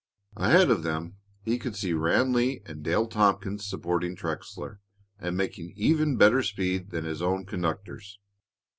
Ahead of them he could see Ranleigh and Dale Tompkins supporting Trexler, and making even better speed than his own conductors.